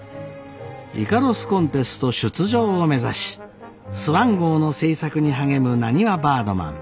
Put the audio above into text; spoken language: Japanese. イカロスコンテスト出場を目指しスワン号の製作に励むなにわバードマン。